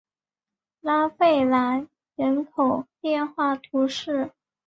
拉费兰人口变化图示